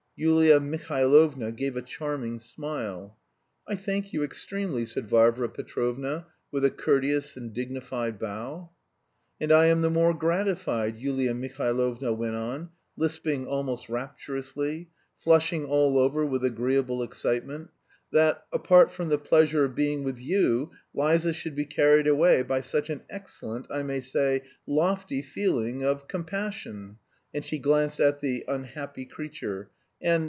Yulia Mihailovna gave a charming smile. "I thank you extremely," said Varvara Petrovna, with a courteous and dignified bow. "And I am the more gratified," Yulia Mihailovna went on, lisping almost rapturously, flushing all over with agreeable excitement, "that, apart from the pleasure of being with you Liza should be carried away by such an excellent, I may say lofty, feeling... of compassion..." (she glanced at the "unhappy creature") "and...